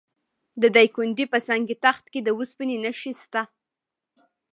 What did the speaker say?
د دایکنډي په سنګ تخت کې د وسپنې نښې شته.